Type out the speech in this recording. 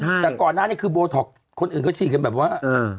แต่ก่อนหน้านิโบโท็กคอนอื่นก็ฉีดแบบว่า